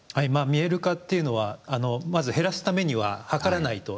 見える化っていうのはまず減らすためには計らないと。